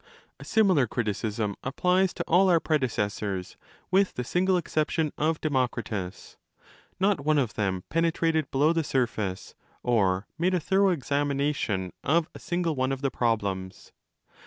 A similar criticism applies to all our predecessors with the single exception of Demokritos. Not one of them pene 35 trated below the surface or made a thorough examination of a single one of the problems.